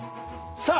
さあ